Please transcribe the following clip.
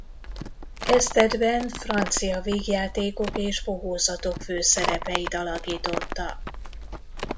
Kezdetben francia vígjátékok és bohózatok főszerepeit alakította.